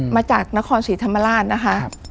มาจากนครศรีธรรมราชนะคะ